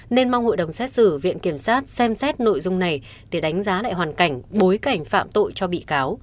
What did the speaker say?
nên mong hội đồng xét xử viện kiểm sát xem xét nội dung này để đánh giá lại hoàn cảnh bối cảnh phạm tội cho bị cáo